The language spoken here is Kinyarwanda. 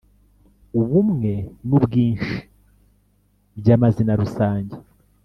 ubumwe n’ubwinshi by’amazina rusange